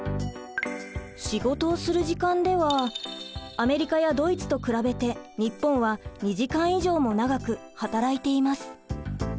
仕事をする時間ではアメリカやドイツと比べて日本は２時間以上も長く働いています。